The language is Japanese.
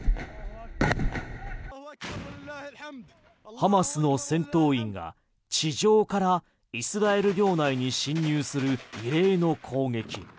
ハマスの戦闘員が地上からイスラエル領内に侵入する、異例の攻撃。